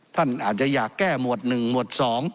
ท่านอาจจะอยากแก้หมวด๑หมวด๒